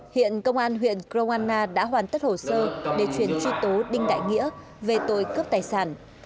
hiện công an huyện kroana đã hoàn tất hồ sơ để chuyển truy tố đinh đại nghĩa về tội cướp tài sản